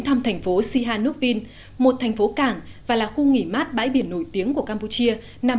thăm thành phố sihanoukvin một thành phố cảng và là khu nghỉ mát bãi biển nổi tiếng của campuchia nằm